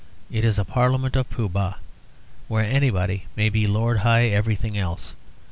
It is a parliament of Pooh Bah, where anybody may be Lord High Everything Else.